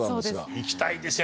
行きたいですよ